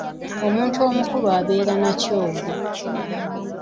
Omuntu omukulu abeera na kyogo.